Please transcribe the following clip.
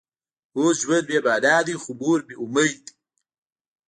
اوس ژوند بې معنا دی خو مور مې امید دی